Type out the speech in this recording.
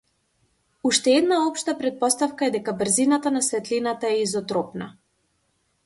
Уште една општа претпоставка е дека брзината на светлината е изотропна.